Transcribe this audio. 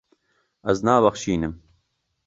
Ez nabexşînim.